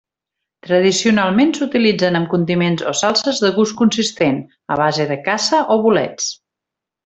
Tradicionalment s'utilitzen amb condiments o salses de gust consistent, a base de caça o bolets.